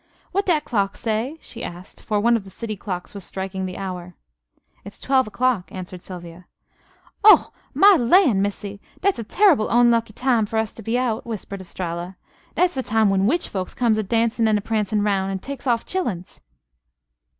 "Wat dat clock say?" she asked; for one of the city clocks was striking the hour. "It's twelve o'clock," answered Sylvia. "Oh! My lan', Missy! Dat's a terrible onlucky time fer us to be out," whispered Estralla. "Dat's de time w'en witch folks comes a dancin' an' a prancin' 'roun' and takes off chilluns."